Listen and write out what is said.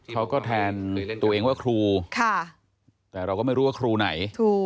เขาก็แทนตัวเองว่าครูแต่เราก็ไม่รู้ว่าครูไหน